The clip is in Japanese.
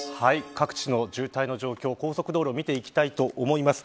各地の渋滞の状況、高速道路見ていきたいと思います。